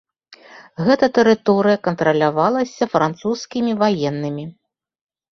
Гэта тэрыторыя кантралявалася французскімі ваеннымі.